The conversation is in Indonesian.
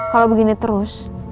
kalau begini terus